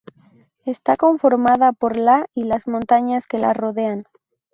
Está conformada por la y las montañas que la rodean.